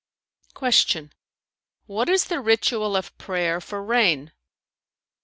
Q "What is the ritual of prayer for rain?"